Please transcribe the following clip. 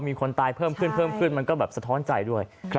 มีคนตายเพิ่มขึ้นมันก็แบบสะท้อนใจด้วย